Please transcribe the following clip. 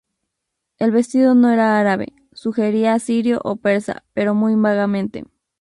El vestido no era árabe; sugería asirio o persa, pero muy vagamente.